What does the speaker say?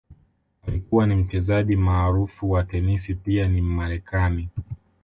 Alikuwa ni Mchezaji maarufu wa tenisi pia ni Mmarekani